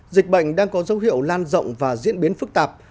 dịch bệnh đang có dấu hiệu lan rộng và diễn biến phức tạp